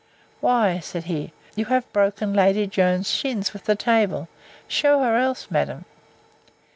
—Why, said he, you have broken Lady Jones's shins with the table. Shew her else, madam.